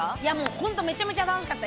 本当めちゃめちゃ楽しかった。